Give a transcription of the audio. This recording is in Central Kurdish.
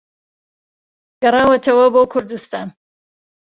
گەڕاوەتەوە بۆ کوردوستان